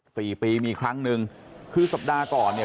สี่ปีมีครั้งหนึ่งคือสัปดาห์ก่อนเนี่ย